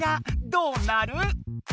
どうなる？